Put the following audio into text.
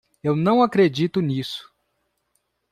Eu não acredito nisso.